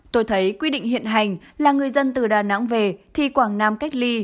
tôi thấy quy định hiện hành là người dân từ đà nẵng về thì quảng nam cách ly